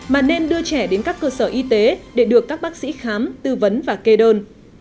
mà nên đưa trẻ đến các cơ sở y tế để được các bác sĩ khám tư vấn và kê đơn